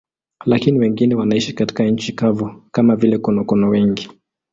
Lakini wengine wanaishi katika nchi kavu, kama vile konokono wengi.